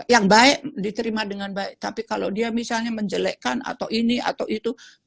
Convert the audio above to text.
yang baik diterima dengan baik tapi kalau dia misalnya menjelekkan atau ini atau itu